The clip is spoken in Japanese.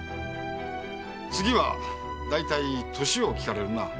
次は大体年を聞かれるな。